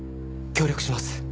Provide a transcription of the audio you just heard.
協力します。